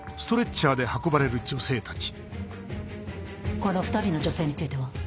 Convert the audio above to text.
この２人の女性については？